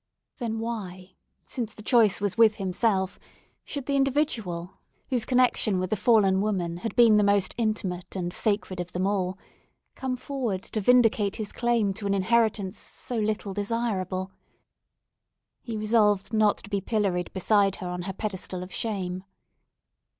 Then why—since the choice was with himself—should the individual, whose connexion with the fallen woman had been the most intimate and sacred of them all, come forward to vindicate his claim to an inheritance so little desirable? He resolved not to be pilloried beside her on her pedestal of shame.